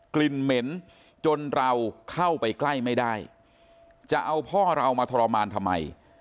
กลิ่นเหม็นจนเราเข้าไปใกล้ไม่ได้จะเอาพ่อเรามาทรมานทำไม